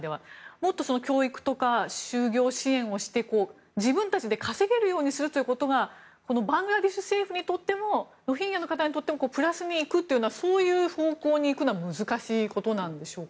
もっと教育とか就業支援をして自分たちで稼げるようにすることがバングラデシュ政府にとってもロヒンギャの方にとってもプラスに行くとそういう方向に行くのは難しいことなんでしょうか。